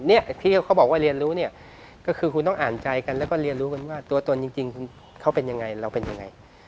เนี่ยที่เขาบอกว่าเรียนรู้เนี่ยก็คือคุณต้องอ่านใจกันแล้วก็เรียนรู้กันว่าตัวตนจริงเขาเป็นยังไงเราเป็นยังไง